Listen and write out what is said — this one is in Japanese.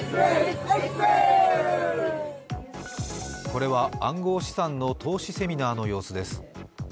これは暗号資産の投資セミナーの様子です。